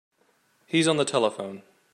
He's on the telephone.